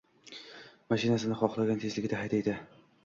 Mashinasini xohlagan tezligida haydaydi